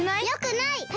よくない！